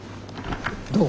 どう？